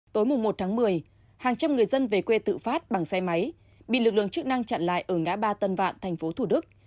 tối một tháng một mươi hàng trăm người dân về quê tự phát bằng xe máy bị lực lượng chức năng chặn lại ở ngã ba tân vạn tp thủ đức